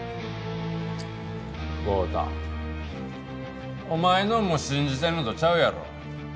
豪太お前のんも信じてるのとちゃうやろ。